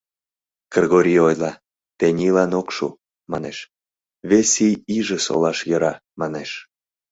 Кыргорийна ойла, тенийлан ок шу, манеш, вес ий иже солаш йӧра, манеш.